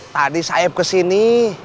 tadi saep kesini